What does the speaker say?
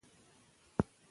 قرآن ټولو ته دی.